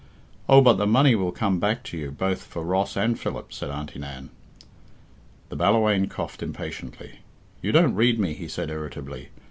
"Oh! but the money will come back to you, both for Ross and Philip," said Auntie Nan. The Ballawhaine coughed impatiently. "You don't read me," he said irritably.